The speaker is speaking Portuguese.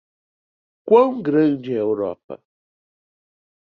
Quão grande é a Europa?